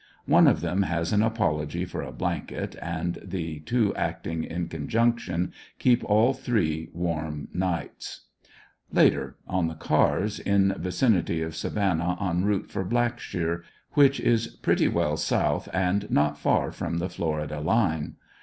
One of them has an apology for a blanket, and the two acting in conjunction keep all three warm nights. Later. — On the cars, in vicinity of Savannah en route for Blackshear, which is pretty well south and not far from the Florida line.